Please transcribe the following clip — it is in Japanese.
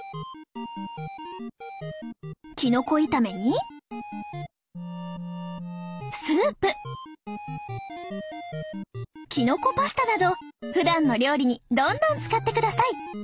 きのこ炒めにスープきのこパスタなどふだんの料理にどんどん使ってください。